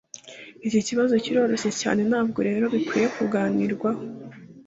Iki kibazo kiroroshye cyane ntabwo rero bikwiye kuganirwaho